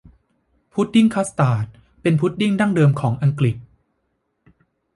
พุดดิ้งคัสตาร์ดเป็นพุดดิ้งดั้งเดิมของอังกฤษ